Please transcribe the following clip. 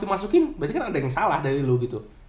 masukin berarti kan ada yang salah dari lu gitu